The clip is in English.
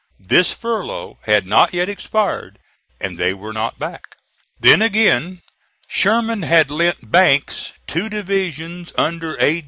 This furlough had not yet expired, and they were not back. Then, again, Sherman had lent Banks two divisions under A.